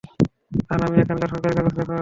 আর আমি এখানকার সরকারি কাগজ লেখক।